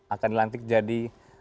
akan dilantik jadi